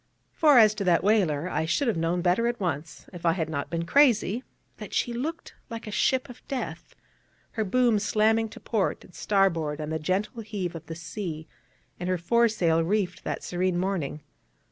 For, as to that whaler, I should have known better at once, if I had not been crazy, since she looked like a ship of death, her boom slamming to port and starboard on the gentle heave of the sea, and her fore sail reefed that serene morning.